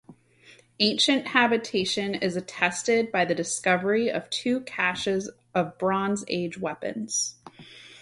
Ancient habitation is attested by the discovery of two caches of Bronze Age weapons.